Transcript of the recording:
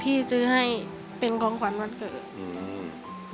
พี่ซื้อให้เป็นของขวัญวันเกิด